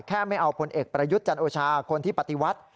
ไม่เอาผลเอกประยุทธ์จันโอชาคนที่ปฏิวัติ